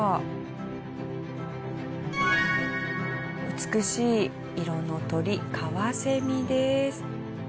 美しい色の鳥カワセミです。